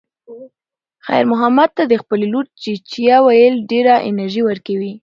خیر محمد ته د خپلې لور "چیچیه" ویل ډېره انرژي ورکوي.